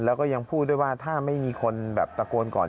แล้วก็ยังพูดด้วยว่าถ้าไม่มีคนแบบตะโกนก่อน